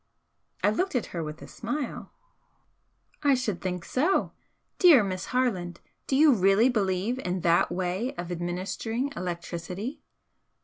I looked at her with a smile. "I should think so! Dear Miss Harland, do you really believe in that way of administering electricity?"